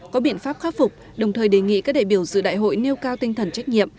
có biện pháp khắc phục đồng thời đề nghị các đại biểu dự đại hội nêu cao tinh thần trách nhiệm